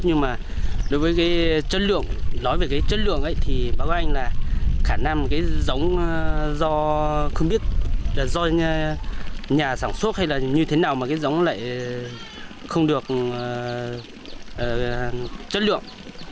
nhưng mà đối với cái chất lượng nói về cái chất lượng ấy thì báo anh là khả năng cái giống do không biết là do nhà sản xuất hay là như thế nào mà cái giống lại không được chất lượng